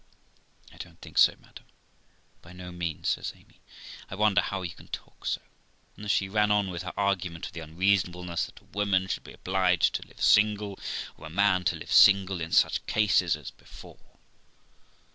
'I don't think so, madam, by no means', says Amy. 'I wonder how you can talk so '; and then she run on with her argument of the unreason ableness that a woman should be obliged to live single, or a man to live single, in such cases as before.